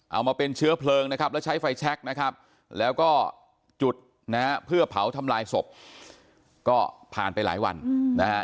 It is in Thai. เอามาเป็นเชื้อเพลิงนะครับแล้วใช้ไฟแชคนะครับแล้วก็จุดนะฮะเพื่อเผาทำลายศพก็ผ่านไปหลายวันนะฮะ